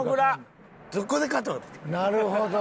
なるほど。